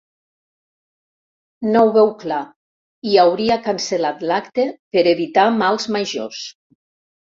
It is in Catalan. No ho veu clar i hauria cancel·lat l'acte per evitar mals majors.